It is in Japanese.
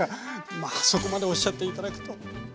まあそこまでおっしゃって頂くとは。